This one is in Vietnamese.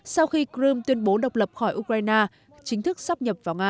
sau khi crimea tuyên bố độc lập khỏi ukraine chính thức sát nhập vào nga